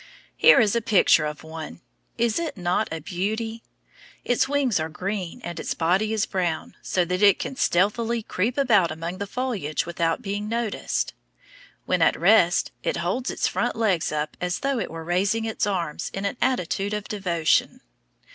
Here is a picture of one; is it not a beauty! Its wings are green and its body is brown, so that it can stealthily creep about among the foliage without being noticed. When at rest it holds its front legs up as though it were raising its arms in an attitude of devotion.